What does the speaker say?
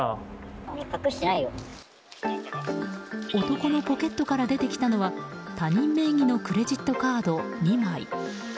男のポケットから出てきたのは他人名義のクレジットカード２枚。